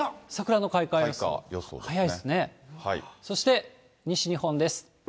そして西日本です。